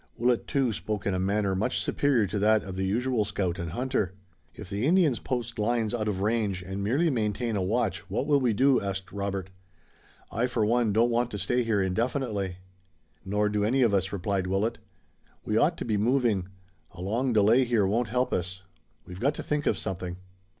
Willet too spoke in a manner much superior to that of the usual scout and hunter. "If the Indians post lines out of range and merely maintain a watch what will we do?" asked Robert. "I, for one, don't want to stay here indefinitely." "Nor do any of us," replied Willet. "We ought to be moving. A long delay here won't help us. We've got to think of something."